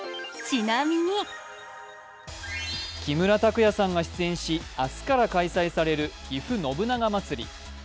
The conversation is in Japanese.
木村拓哉さんが出演し明日から開催されるぎふ信長まつり。